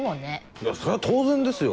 いやそれは当然ですよ。